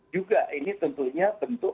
juga ini tentunya bentuk